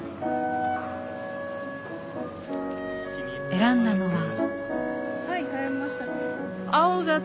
選んだのは。